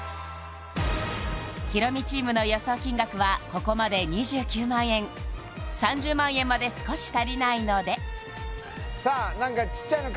ヒロミチームの予想金額はここまで２９万円３０万円まで少し足りないのでさあ